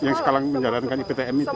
yang sekarang menjalankan ptm itu ya